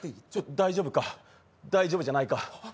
大丈夫か大丈夫じゃないか。